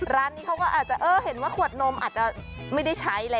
ร้านนี้เขาก็อาจจะเออเห็นว่าขวดนมอาจจะไม่ได้ใช้เลย